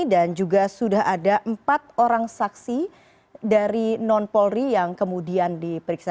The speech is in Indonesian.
dan juga sudah ada empat orang saksi dari non polri yang kemudian diperiksa